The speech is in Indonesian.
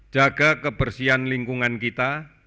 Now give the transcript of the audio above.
jaga kebersihan lingkungan kita